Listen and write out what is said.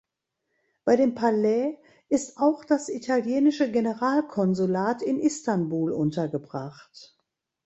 Bei dem Palais ist auch das italienische Generalkonsulat in Istanbul untergebracht.